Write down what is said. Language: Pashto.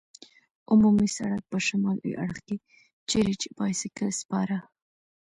عمومي سړک په شمالي اړخ کې، چېرې چې بایسکل سپاره.